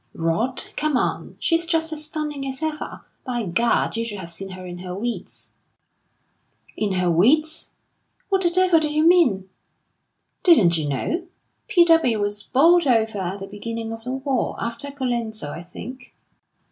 "Rot come on! She's just as stunning as ever. By Gad, you should have seen her in her weeds!" "In her weeds! What the devil do you mean?" "Didn't you know? P. W. was bowled over at the beginning of the war after Colenso, I think."